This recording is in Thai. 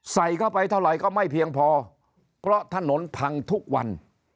ใส่เข้าไปเท่าไหร่ก็ไม่เพียงพอเพราะถนนพังทุกวัน